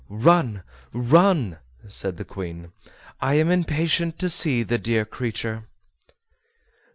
"Run, run," said the Queen; "I am impatient to see the dear creature."